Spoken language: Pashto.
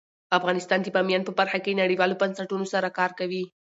افغانستان د بامیان په برخه کې نړیوالو بنسټونو سره کار کوي.